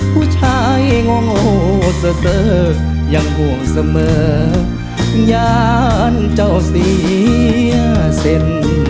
ผู้ชายโง่เสอยังห่วงเสมอยานเจ้าเสียเซ็น